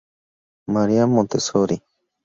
María Montessori.